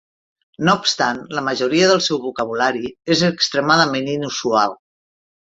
No obstant, la majoria del seu vocabulari és extremadament inusual.